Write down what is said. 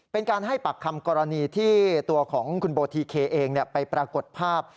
เป็นการให้ปากคำกรณีที่ตัวของคุณโบทีเคเองไปปรากฏภาพ